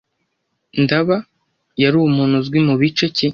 Ndaba yari umuntu uzwi mubice ki